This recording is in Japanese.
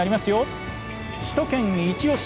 さあ「首都圏いちオシ！」